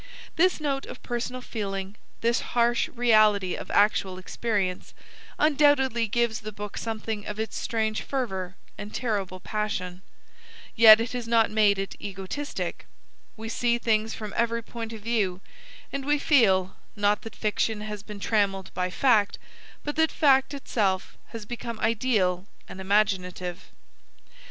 This note of personal feeling, this harsh reality of actual experience, undoubtedly gives the book something of its strange fervour and terrible passion, yet it has not made it egotistic; we see things from every point of view, and we feel, not that fiction has been trammelled by fact, but that fact itself has become ideal and imaginative.